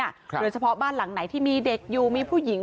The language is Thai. โดยเฉพาะบ้านหลังไหนที่มีเด็กอยู่มีผู้หญิง